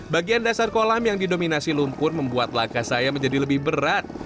bagian dasar kolam yang didominasi lumpur membuat laka saya menjadi lebih berat